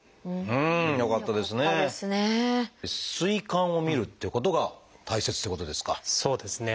膵管をみるっていうことが大切っていうことですか？